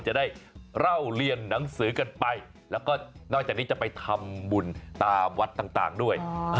จะได้เล่าเรียนหนังสือกันไปแล้วก็นอกจากนี้จะไปทำบุญตามวัดต่างด้วย